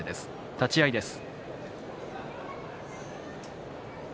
立ち合いです。